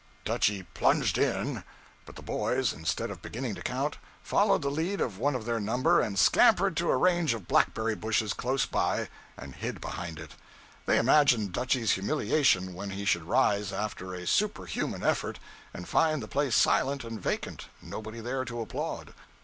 Dutchy plunged in, but the boys, instead of beginning to count, followed the lead of one of their number and scampered to a range of blackberry bushes close by and hid behind it. They imagined Dutchy's humiliation, when he should rise after a superhuman effort and find the place silent and vacant, nobody there to applaud.